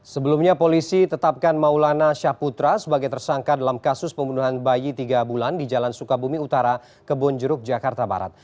sebelumnya polisi tetapkan maulana syaputra sebagai tersangka dalam kasus pembunuhan bayi tiga bulan di jalan sukabumi utara kebonjeruk jakarta barat